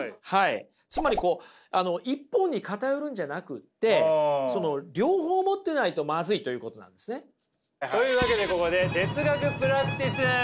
つまり一方に偏るんじゃなくて両方を持ってないとマズいということなんですね。というわけでここで哲学プラクティス！